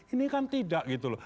ini kan tidak gitu loh